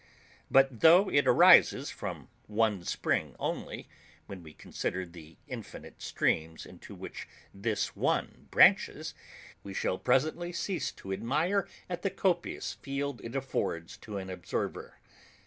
But tho' it arises from one spring only, when we consider the infinite streams into which this one branches, we shall presently cease to admire at the copious field it affords to an observer.